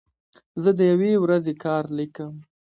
زه د یوې ورځې کار لیکم.